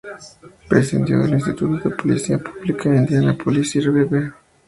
Presidió el instituto de política pública Indiana Policy Review.